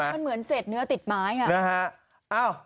มันเหมือนเสร็จเนื้อติดไม้อ่ะ